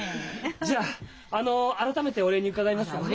じゃあの改めてお礼に伺いますから。